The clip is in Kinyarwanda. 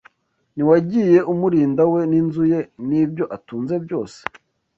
Ntiwagiye umurinda we n’inzu ye n’ibyo atunze byose?